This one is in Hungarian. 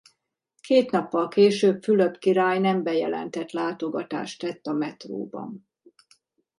Két nappal később Fülöp király nem bejelentett látogatást tett a metróban.